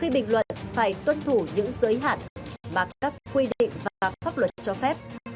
bình luận phải tuân thủ những giới hạn mà các quy định và pháp luật cho phép